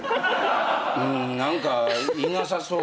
うん何かいなさそう。